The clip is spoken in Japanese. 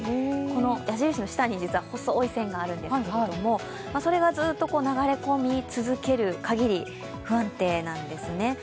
この矢印の下に実は細い線があるんですけれどもそれがずっと流れ込み続けるかぎり、不安定なんですね。